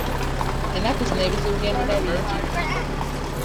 Ennaku zino ebizibu bye nnina bingi nnyo.